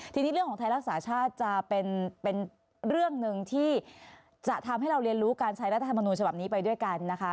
ทีนี้เรื่องของไทยรักษาชาติจะเป็นเรื่องหนึ่งที่จะทำให้เราเรียนรู้การใช้รัฐธรรมนูญฉบับนี้ไปด้วยกันนะคะ